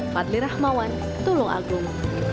fadli rahmawan tulung agung